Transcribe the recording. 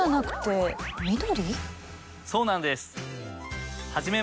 そうなんです！